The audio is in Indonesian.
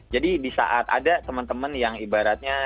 jadi di saat ada temen temen yang ibaratnya